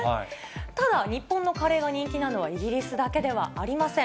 ただ、日本のカレーが人気なのは、イギリスだけではありません。